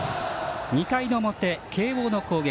２回の表、慶応の攻撃。